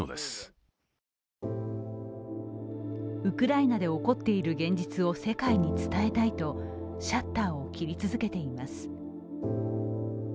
ウクライナで起こっている現実を世界に伝えたいとシャッターを切り続けています。